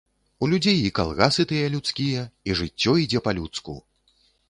У людзей і калгасы тыя людскія і жыццё ідзе па-людску.